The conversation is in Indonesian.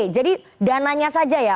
jadi dananya saja ya